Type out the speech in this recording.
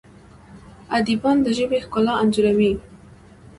ادیبان د ژبې ښکلا انځوروي.